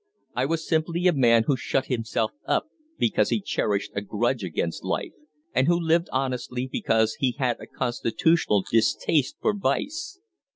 I was simply a man who shut himself up because he cherished a grudge against life, and who lived honestly because he had a constitutional distaste for vice.